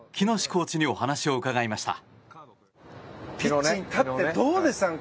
コーチに話を伺いました。